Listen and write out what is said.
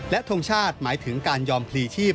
และทงชาติหมายถึงการยอมพลีชีพ